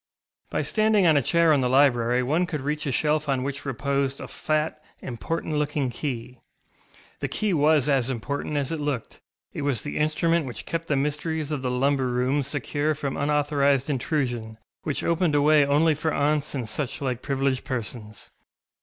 By standing on a chair in the library one could reach a shelf on which reposed a fat, important looking key. The key was as important as it looked; it was the instrument which kept the mysteries of the lumber room secure from unauthorised intrusion, which opened a way only for aunts and such like privileged persons.